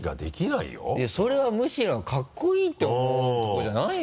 いやそれはむしろかっこいいと思うとこじゃないの？